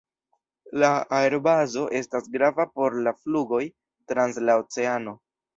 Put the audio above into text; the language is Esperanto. La aerbazo estas grava por la flugoj trans la oceano.